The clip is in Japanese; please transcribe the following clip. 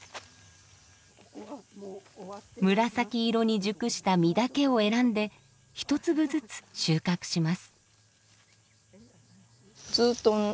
紫色に熟した実だけを選んで１粒ずつ収穫します。